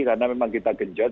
karena memang kita genjot